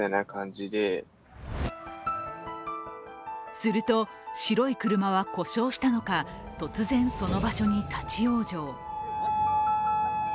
すると白い車は故障したのか、突然、その場所に立往生。